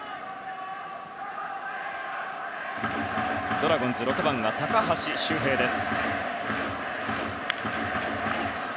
ドラゴンズ６番、高橋周平です。